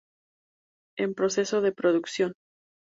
En proceso de producción